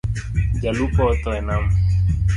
Jo lupo otho e nam.